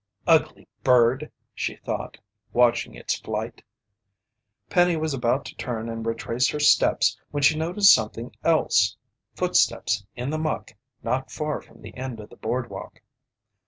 "Ugly bird!" she thought, watching its flight. Penny was about to turn and retrace her steps, when she noticed something else footsteps in the muck not far from the end of the boardwalk.